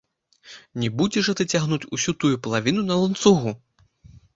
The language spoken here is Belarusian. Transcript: Не будзеш жа ты цягнуць усю тую палавіну на ланцугу.